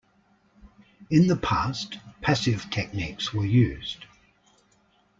In the past, passive techniques were used.